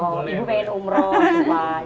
oh ibu pengen umroh juga